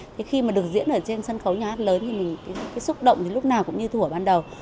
thế khi mà được diễn ở trên sân khấu nhà hát lớn cái xúc động thì lúc nào cũng như thủ ở ban đầu